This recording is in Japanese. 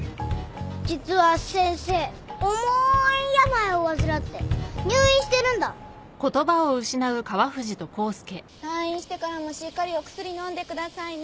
実は先生重い病を患って入院してるんだ。退院してからもしっかりお薬飲んでくださいね。